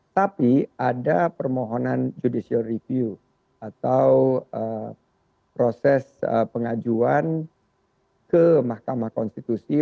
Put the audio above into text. tapi ada permohonan judicial review atau proses pengajuan ke mahkamah konstitusi